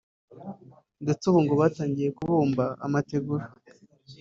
ndetse ngo ubu batangiye kubumba amategura